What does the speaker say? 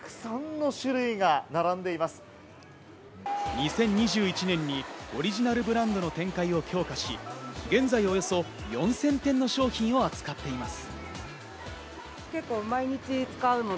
２０２１年にオリジナルブランドの展開を強化し、現在およそ４０００点の商品を扱っています。